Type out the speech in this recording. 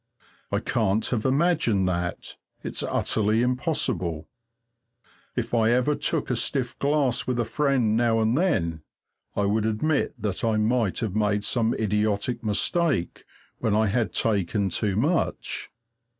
I can't have imagined that: it's utterly impossible. If I ever took a stiff glass with a friend now and then, I would admit that I might have made some idiotic mistake when I had taken too much.